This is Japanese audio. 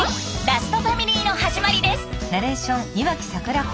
ラストファミリー」の始まりです。